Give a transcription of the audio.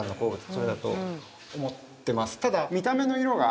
それだと思ってます